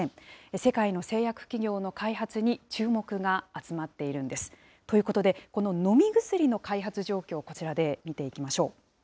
世界の製薬企業の開発に注目が集まっているんです。ということで、この飲み薬の開発状況、こちらで見ていきましょう。